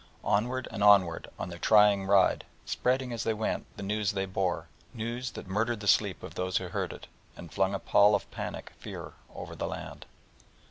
Onward and onward on their trying ride, spreading as they went the news they bore, news that murdered the sleep of those who heard it, and flung a pall of panic fear over the land.